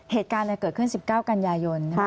เหตุการณ์เกิดขึ้น๑๙กันยายน